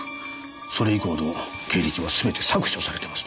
それ以降の経歴はすべて削除されてますね。